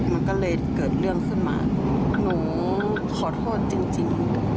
มันก็เลยเกิดเรื่องขึ้นมาหนูขอโทษจริง